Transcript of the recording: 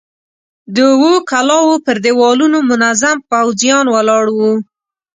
د اوو کلاوو پر دېوالونو منظم پوځيان ولاړ ول.